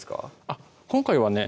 あっ今回はね